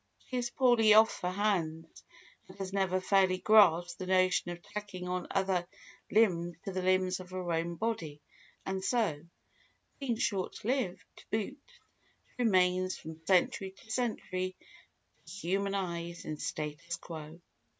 She is poorly off for hands, and has never fairly grasped the notion of tacking on other limbs to the limbs of her own body and so, being short lived to boot, she remains from century to century to human eyes in statu quo.